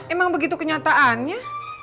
emang begitu kenyataannya